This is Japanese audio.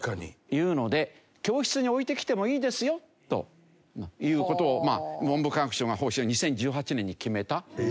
いうので教室に置いてきてもいいですよという事を文部科学省が方針を２０１８年に決めたという。